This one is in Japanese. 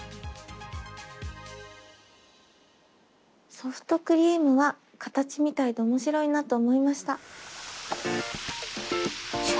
ソフトクリームは形みたいで面白いなと思いました。